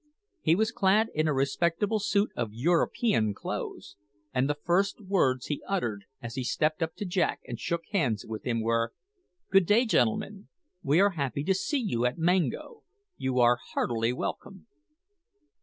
He was clad in a respectable suit of European clothes; and the first words he uttered, as he stepped up to Jack and shook hands with him, were: "Good day, gentlemen. We are happy to see you at Mango. You are heartily welcome."